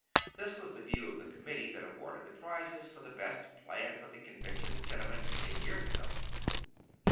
This was the view of the commit tee that awarded the prizes for the best plan for the con ventional tenement, ten years ago.